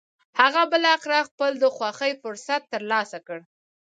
هغه بالاخره خپل د خوښې فرصت تر لاسه کړ.